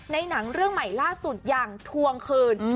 หนังเรื่องใหม่ล่าสุดอย่างทวงคืน